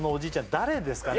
誰ですかね？